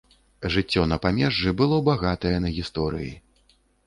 Жыццё на памежжы было багатае на гісторыі.